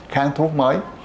kháng thuốc mới